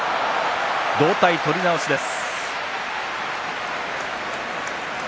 同体、取り直しです。